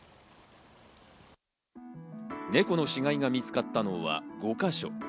猫の死骸が見つかったのは５か所。